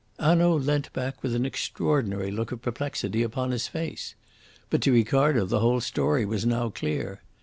Hanaud leant back with an extraordinary look of perplexity upon his face. But to Ricardo the whole story was now clear.